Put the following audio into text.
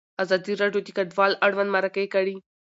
ازادي راډیو د کډوال اړوند مرکې کړي.